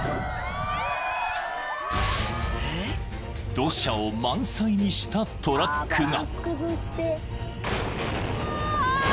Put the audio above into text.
［土砂を満載にしたトラックが］